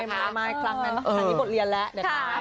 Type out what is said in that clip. ไม่ครั้งนั้นครั้งนี้บทเรียนแล้วนะคะ